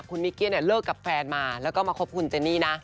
คุณมิเกี้ยเนี่ยเลิกกับแฟนมาแล้วก็มาคบคุณเจนี่นะ